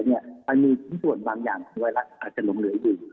มันมีชิ้นส่วนบางอย่างของไวรัสอาจจะหลงเหลืออยู่